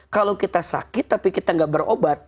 kalau kita sakit tapi kita nggak berobat